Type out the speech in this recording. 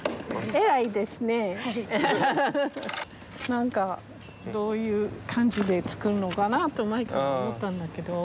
何かどういう感じで作るのかなと前から思ったんだけど。